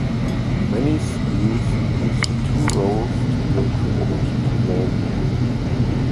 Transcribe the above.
Many schools use the two roles to pay tribute to more women.